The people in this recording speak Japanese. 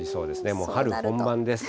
もう春本番です。